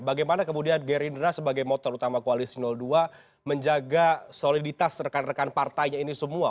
bagaimana kemudian gerindra sebagai motor utama koalisi dua menjaga soliditas rekan rekan partainya ini semua